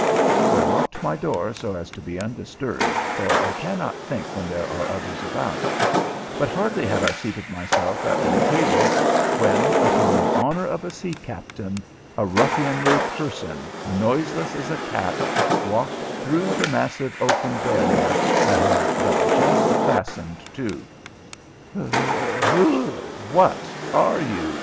I locked my door so as to be undisturbed, for I cannot think when there are others about; but hardly had I seated myself at my table when, upon the honor of a sea captain, a ruffianly person, noiseless as a cat, walked through the massive oaken barrier I had but just fastened to! "Who what are you?"